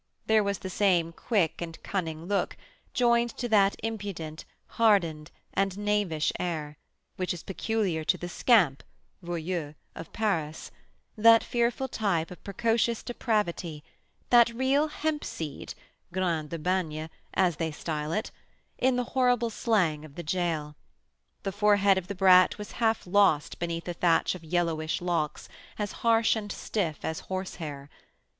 There was the same quick and cunning look, joined to that impudent, hardened, and knavish air, which is peculiar to the scamp (voyou) of Paris, that fearful type of precocious depravity, that real 'hemp seed' (graine de bagne), as they style it, in the horrible slang of the gaol. The forehead of the brat was half lost beneath a thatch of yellowish locks, as harsh and stiff as horse hair.